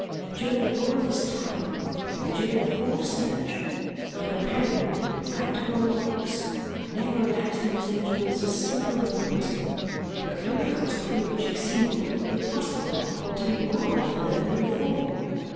During the whole of this time, and during the whole search, my companion, wrapped up on the box, never relaxed in his vigilance a single moment; but when we crossed the bridge he seemed, if possible, to be more on the alert than before.